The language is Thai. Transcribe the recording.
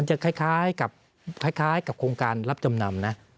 ใช้กับโครงการรับจำนำนะ